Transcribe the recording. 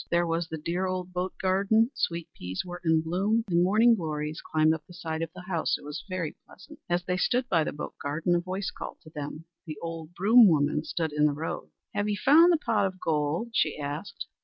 There was the dear old boat garden. Sweet peas were in bloom and morning glories climbed up the side of the house. It was very pleasant. As they stood by the boat garden, a voice called to them. The old broom woman stood in the road. "Have ye found the pot of gold?" she asked.